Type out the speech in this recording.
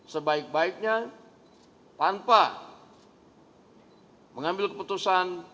sebaik baiknya tanpa mengambil keputusan